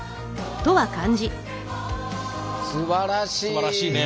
すばらしいね。